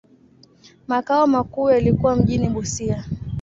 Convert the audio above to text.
Makao makuu yalikuwa mjini Busia.